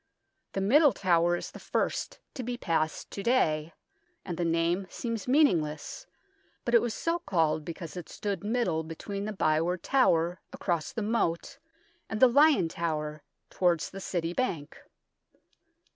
The Middle Tower is the first to be passed to day, and the name seems meaning less, but it was so called because it stood middle between the Byward Tower across the moat and the Lion Tower towards the City bank.